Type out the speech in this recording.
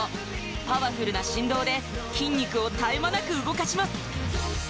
パワフルな振動で筋肉を絶え間なく動かします